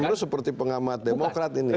pak emrus seperti pengamat demokrat ini